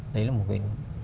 đấy là một cái